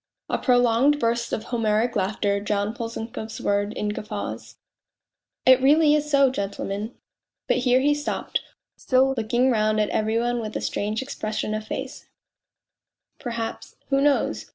A prolonged burst of Homeric laughter drowned Polzunkov's words in guffaws. 41 It really is so, gentlemen. ..." But here he stopped, still looking round at every one with a strange expression of face; perhaps who knows?